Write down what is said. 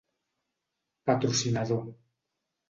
patrocinador